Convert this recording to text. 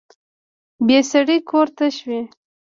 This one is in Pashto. بې سړي کور تش وي